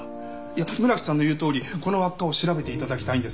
いや村木さんの言うとおりこの輪っかを調べて頂きたいんです。